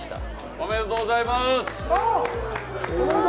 おめでとうございます。